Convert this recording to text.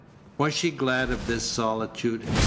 Was she glad of this solitude?